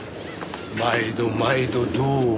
毎度毎度どうも。